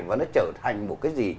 và nó trở thành một cái gì